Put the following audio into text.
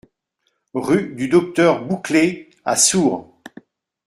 Rue du Docteur Bouclet à Sours